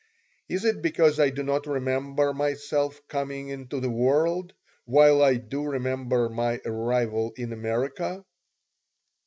Is it because I do not remember myself coming into the world, while I do remember my arrival in America?